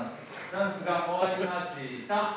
ダンスが終わりました。